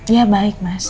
ya baik mas